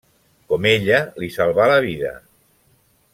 Com ella li salva la vida.